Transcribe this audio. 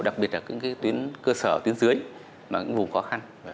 đặc biệt là những cái cơ sở tuyến dưới những vùng khó khăn